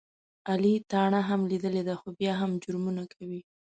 علي تاڼه هم لیدلې ده، خو بیا هم جرمونه کوي.